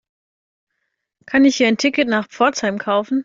Kann ich hier ein Ticket nach Pforzheim kaufen?